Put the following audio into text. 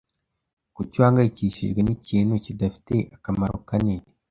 Kuki uhangayikishijwe n'ikintu kidafite akamaro kanini?